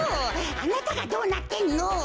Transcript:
あなたがどうなってんの。